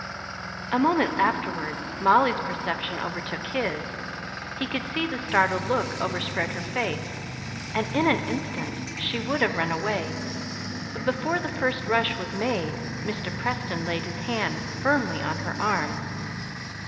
A moment afterwards, Molly's perception overtook his. He could see the startled look overspread her face; and in an instant she would have run away, but before the first rush was made, Mr. Preston laid his hand firmly on her arm.